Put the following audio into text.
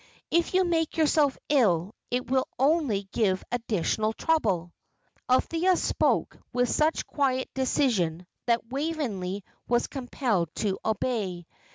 If you make yourself ill, it will only give additional trouble." Althea spoke with such quiet decision that Waveney was compelled to obey.